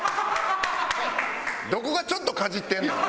どこがちょっとかじってんねん！